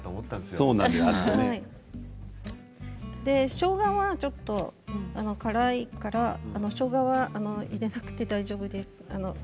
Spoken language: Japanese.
しょうがはちょっと辛いからしょうがは入れなくて大丈夫です。